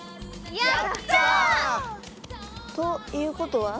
やった！ということは？